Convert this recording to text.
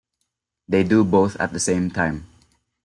They do both at the same time.